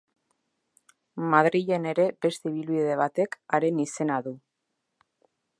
Madrilen ere beste ibilbide batek haren izena du.